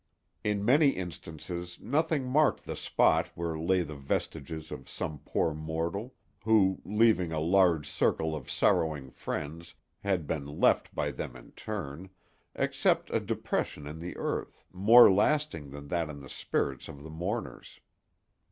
In many instances nothing marked the spot where lay the vestiges of some poor mortal—who, leaving "a large circle of sorrowing friends," had been left by them in turn—except a depression in the earth, more lasting than that in the spirits of the mourners.